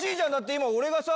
今俺がさ。